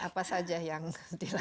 apa saja yang dilakukan